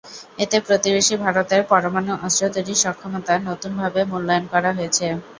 এতে প্রতিবেশী ভারতের পরমাণু অস্ত্র তৈরির সক্ষমতা নতুনভাবে মূল্যায়ন করা হয়েছে।